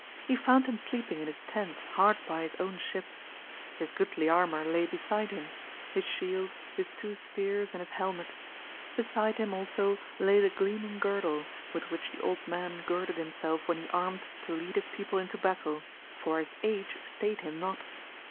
He found him sleeping in his tent hard by his own ship; his goodly armour lay beside him—his shield, his two spears and his helmet; beside him also lay the gleaming girdle with which the old man girded himself when he armed to lead his people into battle—for his age stayed him not.